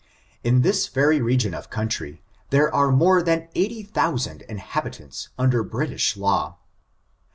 In this very region of country, there are more than eighty thousand inhabitants under British law.